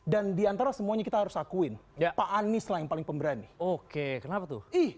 dan diantara semuanya kita harus akuin ya pak anies lain paling pemberani oke kenapa tuh ih